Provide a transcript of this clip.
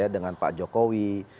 dengan pak jokowi